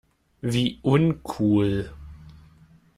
Wie uncool!